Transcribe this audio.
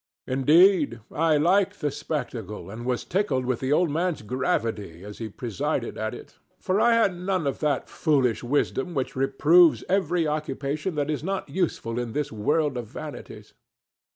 Indeed, I liked the spectacle and was tickled with the old man's gravity as he presided at it, for I had none of that foolish wisdom which reproves every occupation that is not useful in this world of vanities.